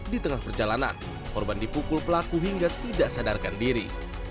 di tengah perjalanan korban dipukul pelaku hingga tidak sadarkan diri